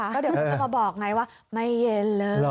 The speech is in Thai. เพราะเดี๋ยวเขาจะมาบอกไงว่าไม่เย็นเลย